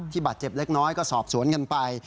บาดเจ็บเล็กน้อยก็สอบสวนกันไป